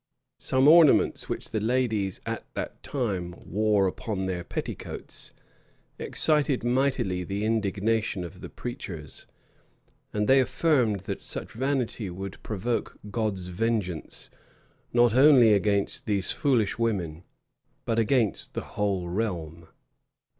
[] Some ornaments, which the ladies at that time wore upon their petticoats, excited mightily the indignation of the preachers; and they affirmed, that such vanity would provoke God's vengeance not only against these foolish women, but against the whole realm.